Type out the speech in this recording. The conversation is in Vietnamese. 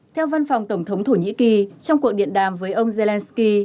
theo văn phòng tổng thống thổ nhĩ kỳ trong cuộc điện đàm với ông zelensky